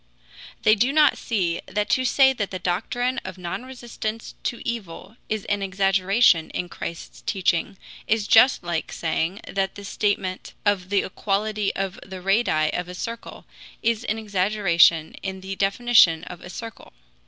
They do not see that to say that the doctrine of non resistance to evil is an exaggeration in Christ's teaching is just like saying that the statement of the equality of the radii of a circle is an exaggeration in the definition of a circle.